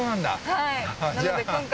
はい。